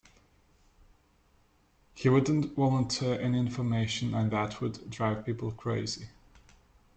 He wouldn't volunteer any information, and that would drive people crazy.